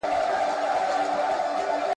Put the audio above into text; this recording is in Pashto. زه اجازه لرم چي سفر وکړم!!